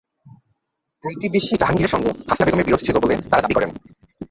প্রতিবেশী জাহাঙ্গীরের সঙ্গে হাসনা বেগমের বিরোধ চলছিল বলে তাঁরা দাবি করেন।